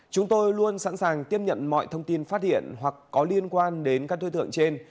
chúng tôi luôn sẵn sàng tiếp nhận mọi thông tin phát hiện hoặc có liên quan đến các đối tượng trên